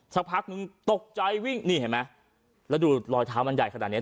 สักพักนึงตกใจวิ่งนี่เห็นไหมแล้วดูรอยเท้ามันใหญ่ขนาดเนี้ย